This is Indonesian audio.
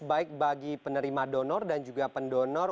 baik bagi penerima donor dan juga pendonor